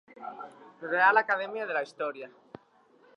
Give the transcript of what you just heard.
Real Academia de la Historia.